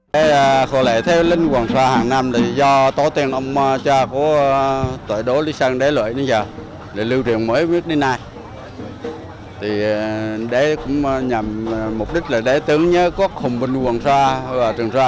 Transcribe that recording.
tại lễ khao lề thế lính hoàng sa hàng năm các bậc cao niên tiền hiền trong làng đã thực hiện các nghi lễ thành kính tưởng nhớ tổ tiên và những vong linh chiến sĩ trận vong tri ân những người lính đội hoàng sa và trường xa